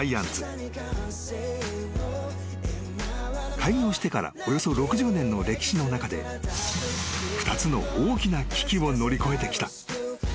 ［開業してからおよそ６０年の歴史の中で２つの大きな危機を乗り越えてきた］